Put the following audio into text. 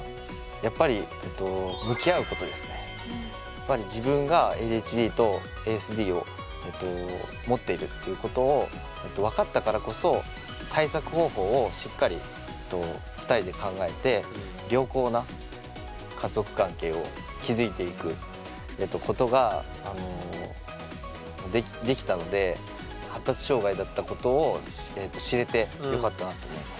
やっぱりやっぱり自分がＡＤＨＤとＡＳＤを持っているっていうことを分かったからこそ対策方法をしっかり２人で考えて良好な家族関係を築いていくことができたので発達障害だったことを知れてよかったなって思います。